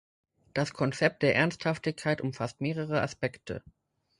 Das Konzept der Ernsthaftigkeit umfasst mehrere Aspekte.